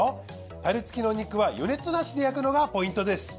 タレ付きのお肉は余熱なしで焼くのがポイントです。